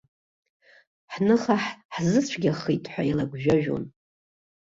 Ҳныха ҳзыцәгьахеит хәа еилагәжәажәон.